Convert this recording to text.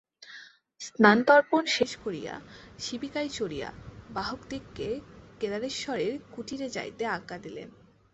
স্নান-তর্পণ শেষ করিয়া শিবিকায় চড়িয়া বাহকদিগকে কেদারেশ্বরের কুটিরে যাইতে আজ্ঞা দিলেন।